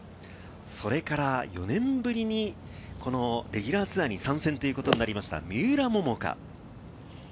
それから４年ぶりにレギュラーツアーに参戦ということになりました、三浦桃香。